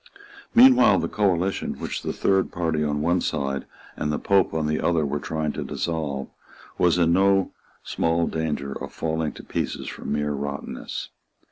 Meanwhile the coalition, which the Third Party on one side and the Pope on the other were trying to dissolve, was in no small danger of falling to pieces from mere rottenness.